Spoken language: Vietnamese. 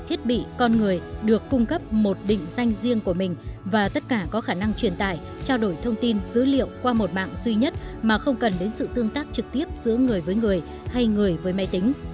thiết bị con người được cung cấp một định danh riêng của mình và tất cả có khả năng truyền tải trao đổi thông tin dữ liệu qua một mạng duy nhất mà không cần đến sự tương tác trực tiếp giữa người với người hay người với máy tính